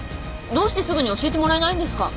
どうしてすぐに教えてもらえないんですか。